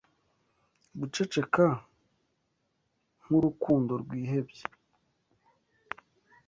Guceceka nkurukundo rwihebye